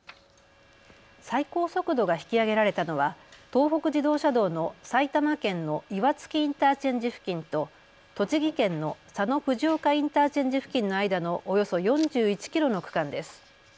最高速度が引き上げられたのは東北自動車道の埼玉県の岩槻インターチェンジ付近と栃木県の佐野藤岡インターチェンジ付近の間のおよそ４１キロの区間です。